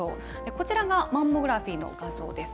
こちらがマンモグラフィーの画像です。